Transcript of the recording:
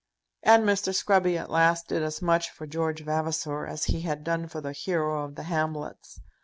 And Mr. Scruby at last did as much for George Vavasor as he had done for the hero of the Hamlets.